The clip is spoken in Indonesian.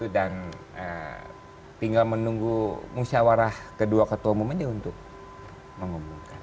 dan tinggal menunggu musyawarah kedua ketua umumnya untuk mengumumkan